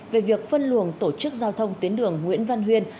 về việc phân luồng tổ chức giao thông tuyến đường nguyễn văn huyên